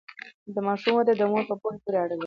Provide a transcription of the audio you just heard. د ماشوم وده د مور په پوهه پورې اړه لري۔